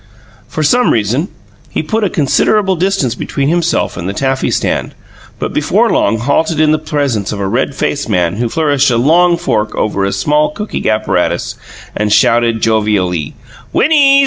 For some reason, he put a considerable distance between himself and the taffy stand, but before long halted in the presence of a red faced man who flourished a long fork over a small cooking apparatus and shouted jovially: "Winnies!